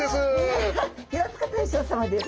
平塚大将さまです。